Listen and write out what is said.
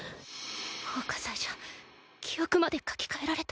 奉火祭じゃ記憶まで書き換えられた。